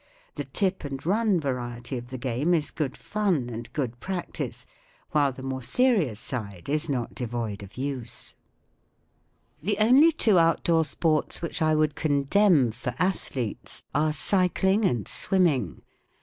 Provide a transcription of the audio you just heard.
The tip and run variety of the game is good fun and good practice, while the more serious side is not devoid of use* ' The only two outdoor sports which I would condemn for athletes are cycling and swimming.